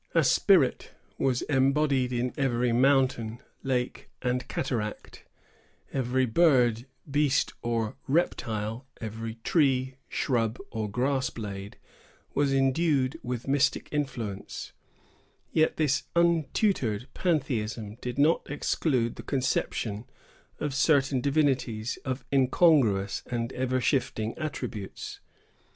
A spirit was embodied in every mountain, lake, and cataract; every bird, beast, or reptile, every tree, shrub, or grass blade, was endued with mystic influence; yet this untutored pantheism did not exclude the conception of certain divinities, of incongruous and ever shifting attributes.